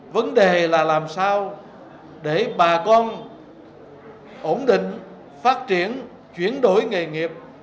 vấn đề là làm sao để bà con ổn định phát triển chuyển đổi nghề nghiệp